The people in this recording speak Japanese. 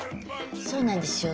そうなんですよ。